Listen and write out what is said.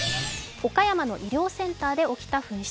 岡山の医療センターで起きた紛失。